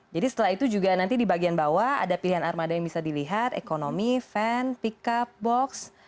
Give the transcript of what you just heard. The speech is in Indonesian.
jadi setelah itu juga nanti di bagian bawah ada pilihan armada yang bisa dilihat ekonomi van pickup box